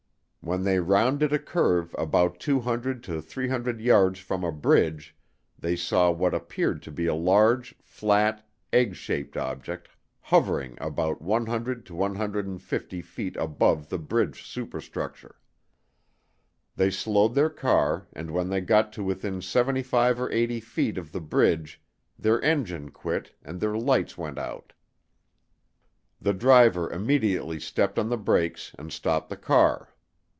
When they rounded a curve about 200 to 300 yards from a bridge they saw what appeared to be a large, flat, egg shaped object hovering about 100 to 150 feet above the bridge superstructure. They slowed their car and when they got to within 75 or 80 feet of the bridge their engine quit and their lights went out. The driver immediately stepped on the brakes and stopped the car.